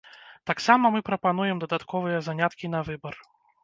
Таксама мы прапануем дадатковыя заняткі на выбар.